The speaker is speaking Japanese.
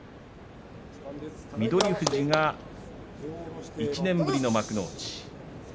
富士が１年ぶりの幕内。